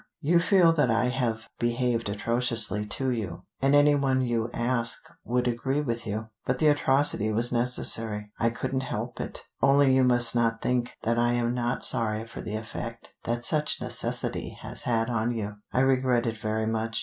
You feel that I have behaved atrociously to you, and any one you ask would agree with you. But the atrocity was necessary. I couldn't help it. Only you must not think that I am not sorry for the effect that such necessity has had on you. I regret it very much.